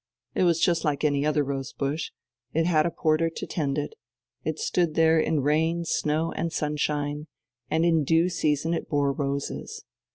It was just like any other rose bush; it had a porter to tend it, it stood there in snow, rain, and sunshine, and in due season it bore roses.